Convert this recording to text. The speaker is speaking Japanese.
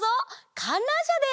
かんらんしゃです！